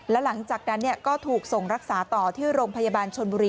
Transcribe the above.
แล้วหลังจากนั้นก็ถูกส่งรักษาต่อที่โรงพยาบาลชนบุรี